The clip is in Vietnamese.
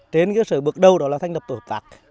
đến cái sở bước đầu đó là thanh lập tổ tạc